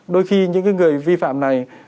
đôi khi những cái người vi phạm này